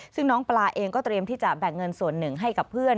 ซึ่งน้องปลาเองก็เตรียมที่จะแบ่งเงินส่วนหนึ่งให้กับเพื่อน